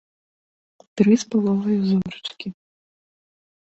Тры з паловаю зорачкі.